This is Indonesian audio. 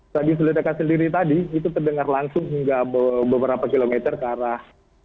tradisi ledakan sendiri tadi itu terdengar langsung hingga beberapa kilometer ke arah